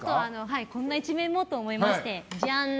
こんな一面もと思いましてジャン！